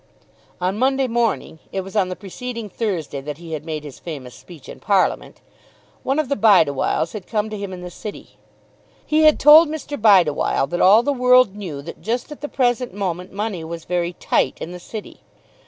On Monday morning, it was on the preceding Thursday that he had made his famous speech in Parliament, one of the Bideawhiles had come to him in the City. He had told Mr. Bideawhile that all the world knew that just at the present moment money was very "tight" in the City.